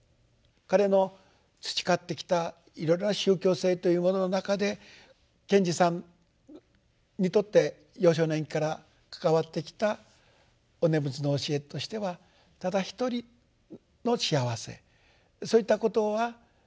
彼の培ってきたいろいろな宗教性というものの中で賢治さんにとって幼少年期から関わってきたお念仏の教えとしてはただ一人の幸せそういったことは存在しない。